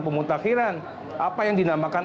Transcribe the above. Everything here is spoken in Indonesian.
pemutakhiran apa yang dinamakan